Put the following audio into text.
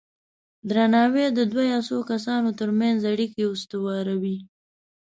درناوی د دوه یا څو کسانو ترمنځ اړیکې استواروي.